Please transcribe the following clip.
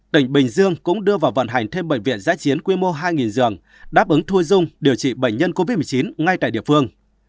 tỉnh bình dương cũng đưa vào vận hành thêm bệnh viện giã chiến quy mô hai giường đáp ứng thua dung điều trị bệnh nhân covid một mươi chín ngay tại địa phương